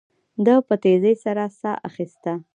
ده په تيزۍ سره ساه اخيسته.